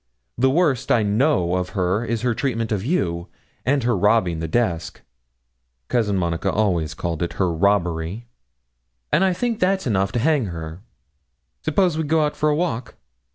The worst I know of her is her treatment of you, and her robbing the desk' (Cousin Monica always called it her robbery) 'and I think that's enough to hang her. Suppose we go out for a walk?'